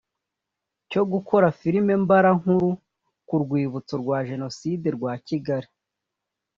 cyo gukora filimi mbarankuru ku rwibutso rwa jenoside rwa kigali